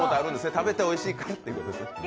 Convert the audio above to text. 食べておいしいということですよね？